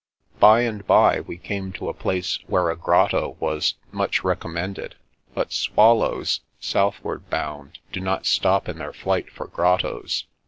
By and bye, we came to a place where a grotto was " much recommended "; but swallows, south ward bound, do not stop in their flight for grottos.